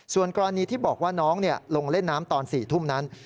ส่วนกรณีที่บอกว่าน้องลงเล่นน้ำตอน๔ทุ่มนั้น